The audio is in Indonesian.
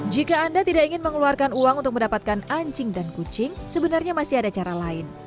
jika anda tidak ingin mengeluarkan uang untuk mendapatkan anjing dan kucing sebenarnya masih ada cara lain